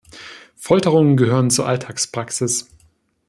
Folterungen gehören zur Alltagspraxis.